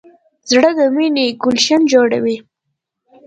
زړه د مینې ګلشن جوړوي.